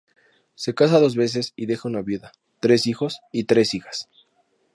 Se casa dos veces y deja una viuda, tres hijos y tres hijas.